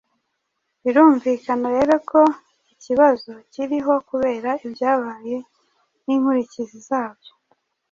Birumvikana rero ko ikibazo kiriho kubera ibyabaye n'inkurikizi zabyo.